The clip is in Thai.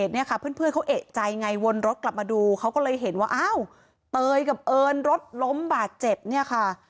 เต๋อยกับเอิญรถล้มบาดเจ็บเนี่ยค่ะ